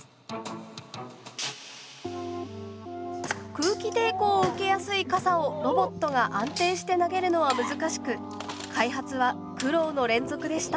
空気抵抗を受けやすい傘をロボットが安定して投げるのは難しく開発は苦労の連続でした。